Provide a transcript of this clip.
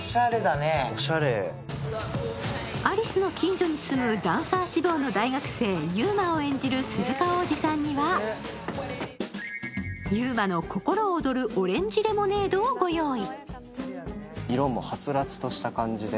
有栖の近所に住むダンサー志望の大学生、祐馬を演じる鈴鹿央士さんには祐馬の心躍るオレンジレモネードをご用意。